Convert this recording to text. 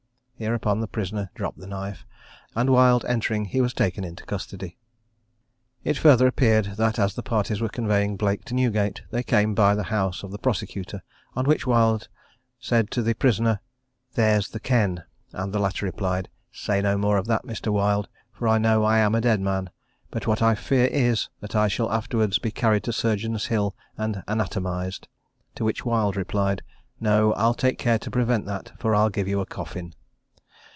Hereupon the prisoner dropped the knife; and Wild entering, he was taken into custody. It further appeared, that as the parties were conveying Blake to Newgate, they came by the house of the prosecutor; on which Wild said to the prisoner, "There's the ken;" and the latter replied, "Say no more of that, Mr. Wild, for I know I am a dead man; but what I fear is, that I shall afterwards be carried to Surgeons' Hall, and anatomised;" to which Wild replied, "No, I'll take care to prevent that, for I'll give you a coffin."